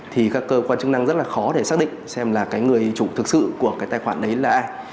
thì các cơ quan chức năng rất là khó để xác định xem là cái người chủ thực sự của cái tài khoản đấy là ai